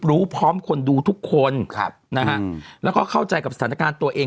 รู้พร้อมคนดูทุกคนแล้วเขาเข้าใจกับสถานการณ์ตัวเอง